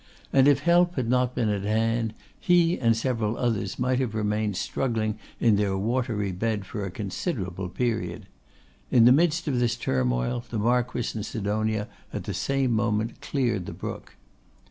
And if help had not been at hand, he and several others might have remained struggling in their watery bed for a considerable period. In the midst of this turmoil, the Marquess and Sidonia at the same moment cleared the brook.